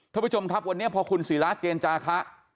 ทบชมครับวันนี้พอคุณศิราชเจนจาข้ะ